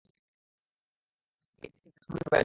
আর এই দেখেন ভিউস কেমন বেড়ে চলছে।